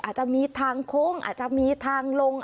อาจจะมีทางโค้งอาจจะมีทางลง